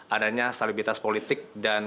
adanya stabilitas politik dan